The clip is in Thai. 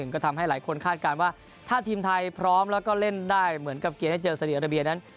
ก็ทำให้หลายคนคาดการณ์ว่าถ้าทีมไทยพร้อมแล้วก็เล่นได้เหมือนกับเกมที่เจอซาดีอาราเบียนั้น